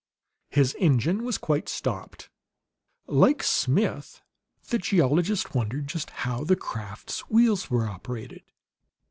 His engine was quite stopped; like Smith, the geologist wondered just how the craft's wheels were operated.